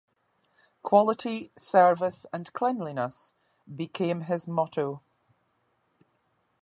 "Quality, Service and Cleanliness" became his motto.